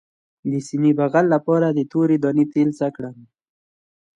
د سینې بغل لپاره د تورې دانې تېل څه کړم؟